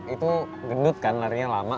itu gendut kan larinya lama